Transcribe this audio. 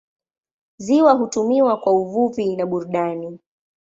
Ziwa hutumiwa kwa uvuvi na burudani.